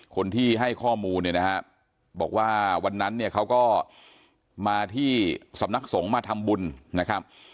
คนที่ให้ข้อมูลบอกว่าวันนั้นเขาก็มาที่สำนักสงฆ์มาทำบุญนะครับ